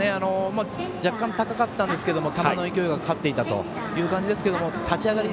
若干高かったんですけど球の勢いが勝っていた感じですが立ち上がり